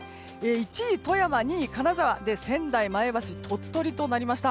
１位、富山、２位、金沢そして仙台、前橋、鳥取となりました。